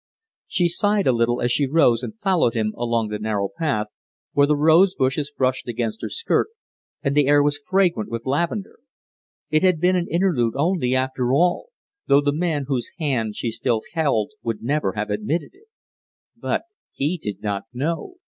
She sighed a little as she rose and followed him along the narrow path, where the rose bushes brushed against her skirt, and the air was fragrant with lavender. It had been an interlude only, after all, though the man whose hand she still held would never have admitted it. But he did not know!